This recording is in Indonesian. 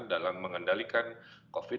dalam mengendalikan covid